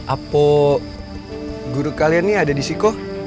apo guru kalian ini ada di siko